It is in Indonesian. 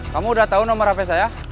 kamu udah tahu nomor apa saya